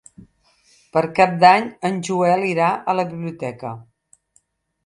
Per Cap d'Any en Joel irà a la biblioteca.